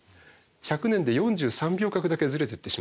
１００年で４３秒角だけずれていってしまってる。